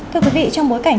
thưa quý vị trong bối cảnh